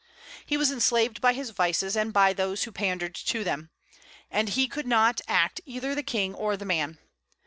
He was enslaved by his vices, and by those who pandered to them; and he could not act either the king or the man.